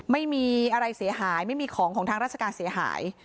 ไม่มีอะไรเสียหายไม่มีของของทางราชการเสียหาย